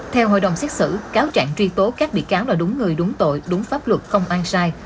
theo hội đồng xét xử cáo trạng truy tố các bị cáo là đúng người đúng tội đúng pháp luật không an sai